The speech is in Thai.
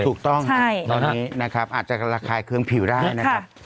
ถูกต้องตอนนี้นะครับอาจจะระคายเครื่องผิวได้นะครับ